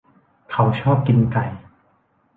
เขาชอบกินไก่